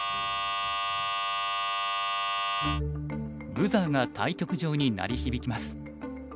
ブザーが対局場に鳴り響きます。